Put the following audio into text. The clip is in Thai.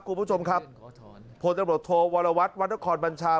ครับคุณผู้ชมครับโพธิบริษัทบริษัทโทษวรวัตรวัตรคอนบัญชา